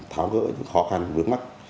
tháo gỡ những khó khăn vướng mắt